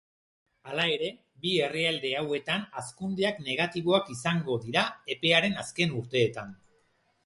Hala ere, bi herrialde hauetan hazkundeak negatiboak izango dira epearen azken urteetan.